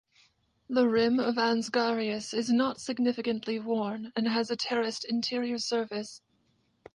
The rim of Ansgarius is not significantly worn, and has a terraced interior surface.